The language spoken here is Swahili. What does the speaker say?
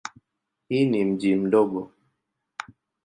Hii ni mji mdogo.